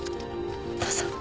どうぞ。